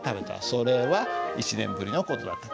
それは、一年ぶりのことだった」。